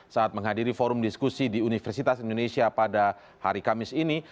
saat menghadiri forum diskusi di universitas indonesia pada hari kamis ini